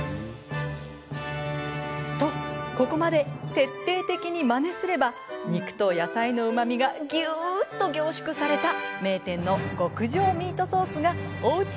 とここまで徹底的にまねすれば肉と野菜のうまみがぎゅっと凝縮された名店の極上ミートソースがおうちでもできちゃうんです。